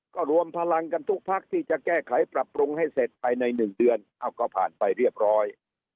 ก็รวมพลังกันทุกพักที่จะแก้ไขปรับปรุงให้เสร็จภายใน๑เดือนเอาก็ผ่านไปเรียบร้อย